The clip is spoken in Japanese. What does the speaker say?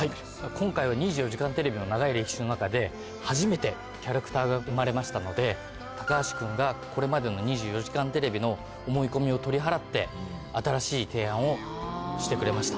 今回は『２４時間テレビ』の長い歴史の中で初めてキャラクターが生まれましたので橋君がこれまでの『２４時間テレビ』の思い込みを取り払って新しい提案をしてくれました。